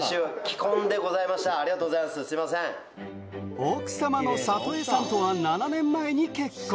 奥様の聖恵さんとは７年前に結婚。